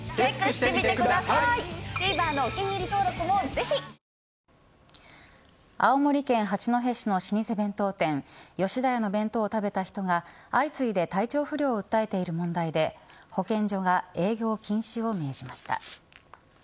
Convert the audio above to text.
俺がこの役だったのに青森県八戸市の老舗弁当店吉田屋の弁当を食べた人が相次いで体調不良を訴えている問題で保健所が営業禁止を命じました。